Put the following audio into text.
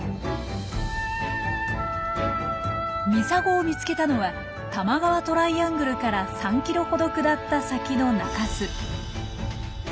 ミサゴを見つけたのは多摩川トライアングルから３キロほど下った先の中州。